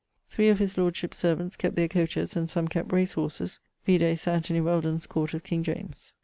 Three of his lordship's servants[XIII.] kept their coaches, and some kept race horses vide Sir Anthony Welden's Court of King James.